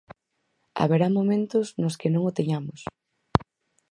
Haberá momentos nos que non o teñamos.